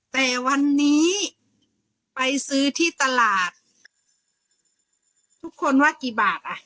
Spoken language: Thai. แต่วันนี้ไปซื้อที่ตลาดทุกคนว่ากี่บาทอ่ะ